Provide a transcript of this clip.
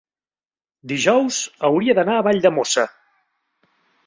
Dijous hauria d'anar a Valldemossa.